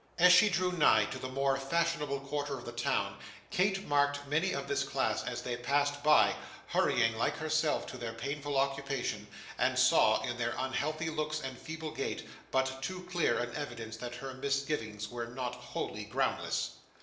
As she drew nigh to the more fashionable quarter of the town, Kate marked many of this class as they passed by, hurrying like herself to their painful occupation, and saw, in their unhealthy looks and feeble gait, but too clear an evidence that her misgivings were not wholly groundless.